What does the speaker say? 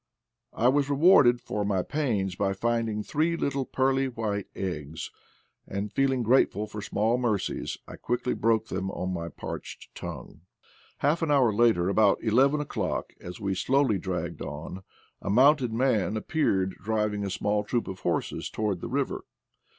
I was rewarded for my pains by finding three little pearly white eggs, and, feeling grateful for small mercies, I quickly broke them on my parched tongue. Half an hour later, about eleven o'clock, as we slowly dragged on, a mounted man appeared driv ing a small troop of horses towards the river.